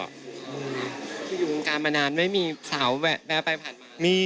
คืออยู่วงการมานานไม่มีสาวแวะไปผ่านมา